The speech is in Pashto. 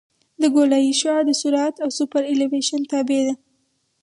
د ګولایي شعاع د سرعت او سوپرایلیویشن تابع ده